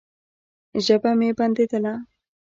ژبه مې بنديدله.